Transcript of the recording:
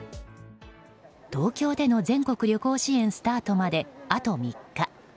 東京での全国旅行支援スタートまであと３日。